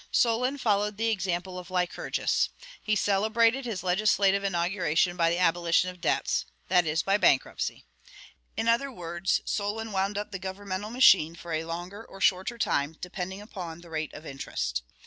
Solon followed the example of Lycurgus. He celebrated his legislative inauguration by the abolition of debts, that is, by bankruptcy. In other words, Solon wound up the governmental machine for a longer or shorter time depending upon the rate of interest.